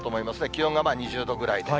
気温が２０度ぐらいと。